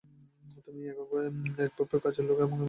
তুমি একভাবে কাজের লোক, আমি আর একভাবে।